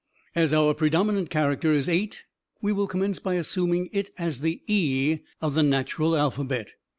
As our predominant character is 8, we will commence by assuming it as the e of the natural alphabet.